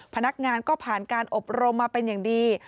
พนักงานก็ผ่านการอบรมมาเป็นอย่างดี